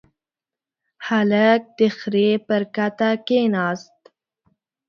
هلک د خرې پر کته کېناست.